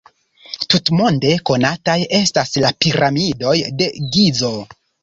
Tutmonde konataj estas la Piramidoj de Gizo.